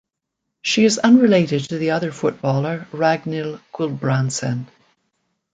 She is unrelated to the other footballer Ragnhild Gulbrandsen.